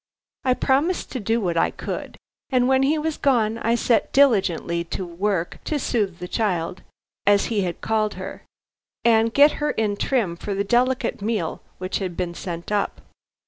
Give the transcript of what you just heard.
I promised to do what I could, and when he was gone, I set diligently to work to soothe the child, as he had called her, and get her in trim for the delicate meal which had been sent up.